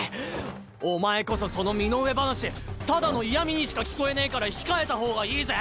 お前こそその身の上話ただの嫌みにしか聞こえねぇから控えた方がいいぜ！